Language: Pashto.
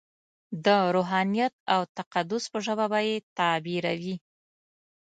په روحانیت او تقدس په ژبه به یې تعبیروي.